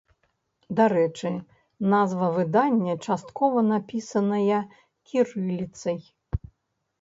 Дарэчы, назва выдання часткова напісаная кірыліцай.